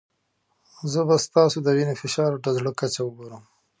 زه به ستاسو د وینې فشار او د زړه کچه وګورم.